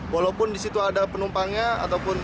walaupun di situ ada penumpangnya ataupun